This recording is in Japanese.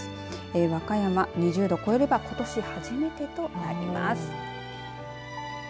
和歌山、２０度を超えればことし初めてとなります。